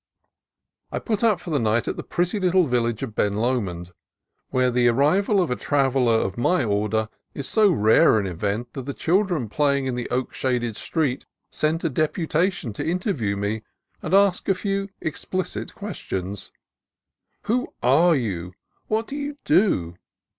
I put up for the night at the pretty little village of Ben Lomond, where the arrival of a traveller of my order is so rare an event that the children playing in the oak shaded street sent a de putation to interview me, and ask a few explicit questions, —'' Who are you ?"" What do you do?